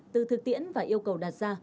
từ thực tiễn và yêu cầu đặt ra